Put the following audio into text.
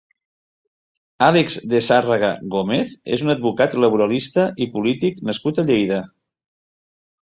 Àlex de Sárraga Gómez és un advocat laboralista i polític nascut a Lleida.